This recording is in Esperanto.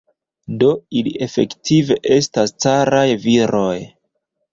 Do ili efektive estas caraj viroj.